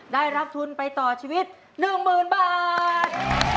ได้รับทุนไปต่อชีวิต๑๐๐๐บาท